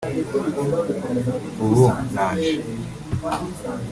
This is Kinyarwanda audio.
ubu naje